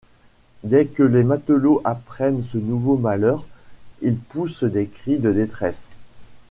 Dès que les matelots apprennent ce nouveau malheur, ils poussent des cris de détresse.